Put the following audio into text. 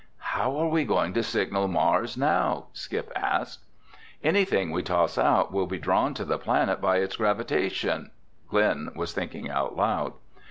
"How are we going to signal Mars now?" Skip asked. "Anything we toss out will be drawn to the planet by its gravitation," Glen was thinking out loud.